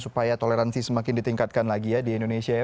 supaya toleransi semakin ditingkatkan lagi ya di indonesia ya